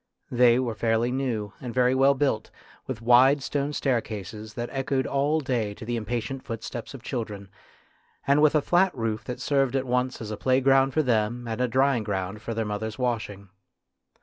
They were fairly new and very well built, with wide stone staircases that echoed all day to the impatient footsteps of children, and with a flat roof that served at once as a playground for them and a drying ground for their mothers' washing.